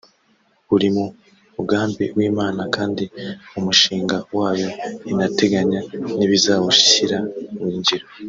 uri mu mugambi w’Imana kandi mu mushinga wayo inateganya n’ibizawushyira mu ngiro